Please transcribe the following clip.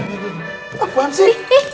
tuh aku hampir